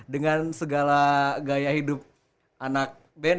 dengan segala gaya hidup anak band